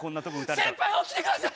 先輩起きてください！